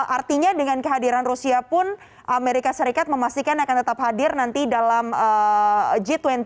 artinya dengan kehadiran rusia pun amerika serikat memastikan akan tetap hadir nanti dalam g dua puluh